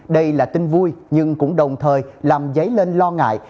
đây là tin vui nhưng cũng đồng thời làm dấy lên lo ngại